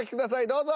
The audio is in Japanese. どうぞ。